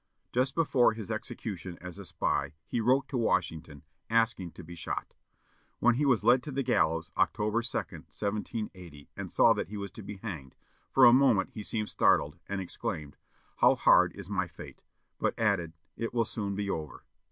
Just before his execution as a spy, he wrote to Washington, asking to be shot. When he was led to the gallows, October 2, 1780, and saw that he was to be hanged, for a moment he seemed startled, and exclaimed, "How hard is my fate!" but added, "It will soon be over."